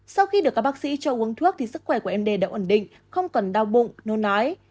sau khi được các bác sĩ cho uống thuốc sức khỏe của n d đã ổn định không còn đau bụng nôn nói